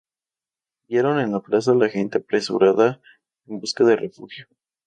Vieron en la plaza a la gente apresurada en busca de refugio.